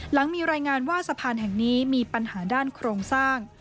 หลังมีรายงานว่าสะพานแห่งนี้มีปัญหาด้านโครงสร้าง